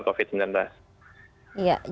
mudah mudahan menggenapi upaya kita untuk bersatu melawan